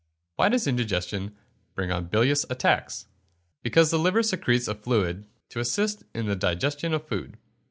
Why does indigestion bring on bilious attacks? Because the liver secretes a fluid to assist in the digestion of food.